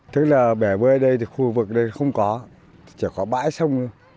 tức là bể bơi ở đây thì khu vực đây không có chỉ có bãi sông thôi